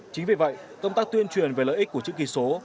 chính vì vậy công tác tuyên truyền về lợi ích của chữ ký số